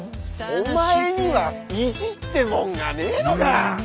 お前には意地ってもんがねえのか？